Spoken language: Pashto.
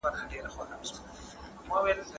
ایا ته د دې لیکوال نوم پېژنې؟